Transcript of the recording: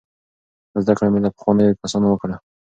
زده کړه مې له پخوانیو کسانو وکړه.